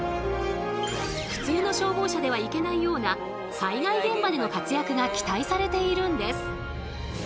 普通の消防車では行けないような災害現場での活躍が期待されているんです。